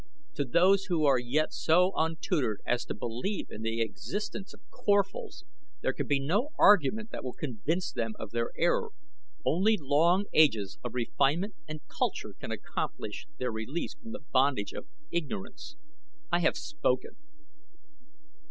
To those who are yet so untutored as to believe in the existence of Corphals, there can be no argument that will convince them of their error only long ages of refinement and culture can accomplish their release from the bondage of ignorance. I have spoken."